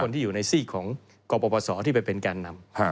ที่อยู่ในซีกของกรปศที่ไปเป็นแกนนำ